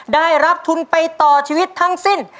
ได้รับทุนไปต่อชีวิตทั้งสิ้น